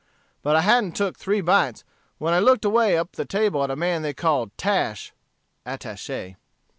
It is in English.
But I hadn't took three bites, when I looked away up the table at a man they called Tash (attache').